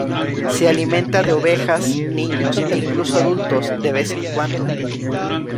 Se alimenta de ovejas, niños e incluso adultos de vez en cuando.